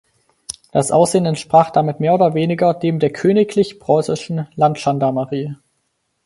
Das Aussehen entsprach damit mehr oder weniger dem der Königlich Preußischen Landgendarmerie.